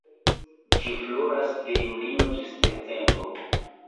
Ĝi floras de junio ĝis decembro.